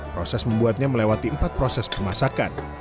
proses membuatnya melewati empat proses pemasakan